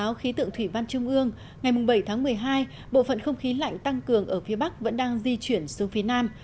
dự báo khí tượng thủy văn trung ương ngày bảy tháng một mươi hai bộ phận không khí lạnh tăng cường ở phía bắc vẫn đang di chuyển xuống phía nam